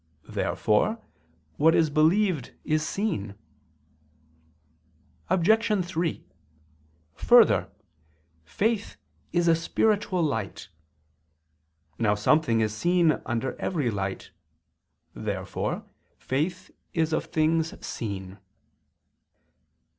Therefore what is believed is seen. Obj. 3: Further, faith is a spiritual light. Now something is seen under every light. Therefore faith is of things seen.